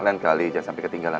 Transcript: lain kali jangan sampai ketinggalan